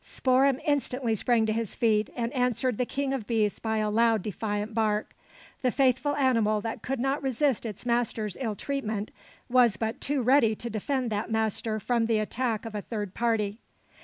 Spoor'em instantly sprang to his feet, and answered the King of beasts by a loud defiant bark. The faithful animal that would not resist its master's ill treatment, was but too ready to defend that master from the attack of a third party.